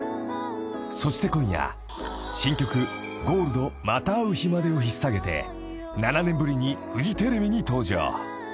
［そして今夜新曲『Ｇｏｌｄまた逢う日まで』を引っ提げて７年ぶりにフジテレビに登場］